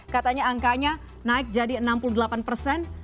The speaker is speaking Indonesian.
katanya angkanya naik jadi enam puluh delapan persen